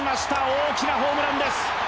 大きなホームランです。